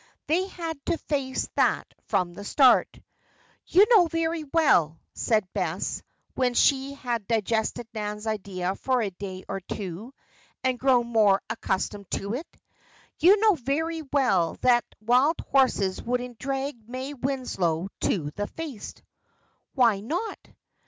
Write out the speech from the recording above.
They had to face that from the start. "You know very well," said Bess, when she had digested Nan's idea for a day or two, and grown more accustomed to it "You know very well that wild horses wouldn't drag May Winslow to the feast." "Why not?"